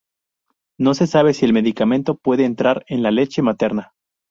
No se sabe si el medicamento puede entrar en la leche materna.